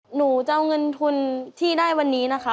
หนูจะเอาเงินทุนที่ได้วันนี้นะคะ